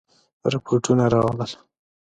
رپوټونه راغلل.